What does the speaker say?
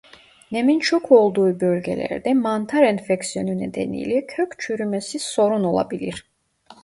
Nemin çok olduğu bölgelerde mantar enfeksiyonu nedeniyle kök çürümesi sorun olabilir.